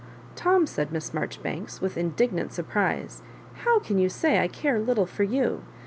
" Tom," said Miss Marjoribanks, with indignant surprise, "how can you say I care little for you?